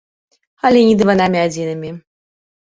Але не дыванамі адзінымі.